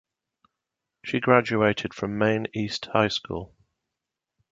She graduated from Maine East High School.